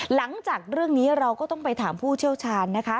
หลังจากเรื่องนี้เราก็ต้องไปถามผู้เชี่ยวชาญนะคะ